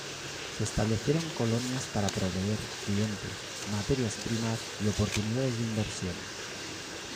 Se establecieron colonias para proveer clientes, materias primas y oportunidades de inversión.